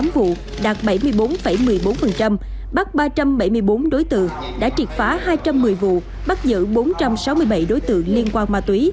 một mươi tám vụ đạt bảy mươi bốn một mươi bốn bắt ba trăm bảy mươi bốn đối tượng đã triệt phá hai trăm một mươi vụ bắt giữ bốn trăm sáu mươi bảy đối tượng liên quan ma túy